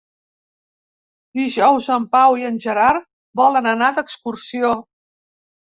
Dijous en Pau i en Gerard volen anar d'excursió.